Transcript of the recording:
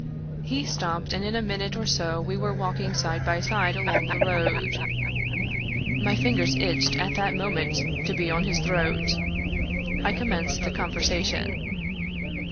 He stopped, and in a minute or so we were walking side by side along the road My fingers itched at that moment to be on his throat. I commenced the conversation.